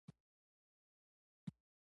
پیاله د زړو یادونو یادګار وي.